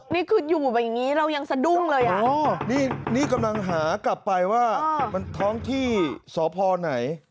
นี่คืออยู่แบบนี้เรายังสะดุ้งเลยอ่ะนี่กำลังหากลับไปว่ามันท้องที่สพไหน